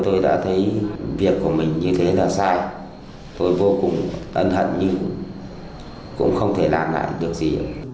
tôi đã thấy việc của mình như thế là sai tôi vô cùng ân hận nhưng cũng không thể làm lại điều gì